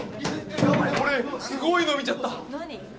俺すごいの見ちゃった何？